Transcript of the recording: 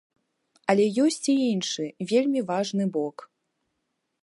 Але ёсць і іншы, вельмі важны бок.